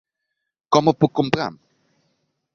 Com ho puc comprar?